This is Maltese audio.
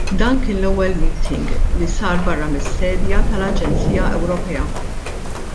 Dan kien l-ewwel meeting li sar barra mis-sedja tal-Aġenzija Ewropea.